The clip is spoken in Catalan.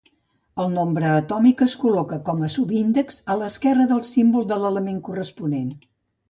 El nombre atòmic es col·loca com a subíndex a l'esquerra del símbol de l'element corresponent.